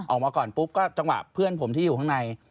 ออกมาก่อนปุ๊บก็จังหวะเพื่อนผมที่อยู่ข้างใน